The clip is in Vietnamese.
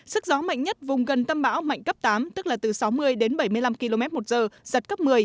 sức gió mạnh nhất vùng gần tâm bão mạnh cấp tám tức là từ sáu mươi đến bảy mươi năm km một giờ giật cấp một mươi